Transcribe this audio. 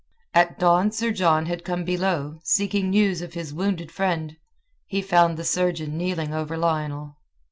At dawn Sir John had come below, seeking news of his wounded friend. He found the surgeon kneeling over Lionel.